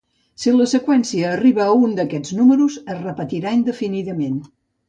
Si la seqüència arriba a un d'aquests números, es repetirà indefinidament.